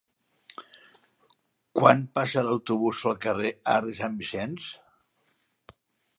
Quan passa l'autobús pel carrer Arc de Sant Vicenç?